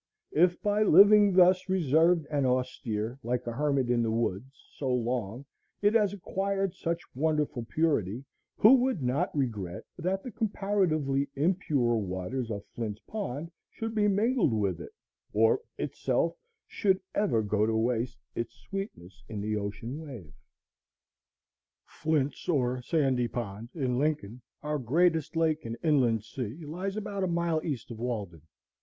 If by living thus reserved and austere, like a hermit in the woods, so long, it has acquired such wonderful purity, who would not regret that the comparatively impure waters of Flint's Pond should be mingled with it, or itself should ever go to waste its sweetness in the ocean wave? Flint's, or Sandy Pond, in Lincoln, our greatest lake and inland sea, lies about a mile east of Walden.